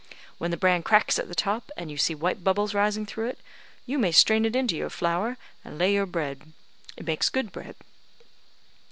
When the bran cracks at the top, and you see white bubbles rising through it, you may strain it into your flour, and lay your bread. It makes good bread."